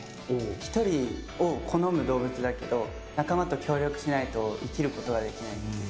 一人を好む動物だけど、仲間と協力しないと生きることができないという。